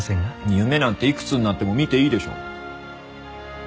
夢なんていくつになっても見ていいでしょ。